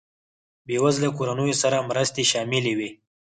بېوزله کورنیو سره مرستې شاملې وې.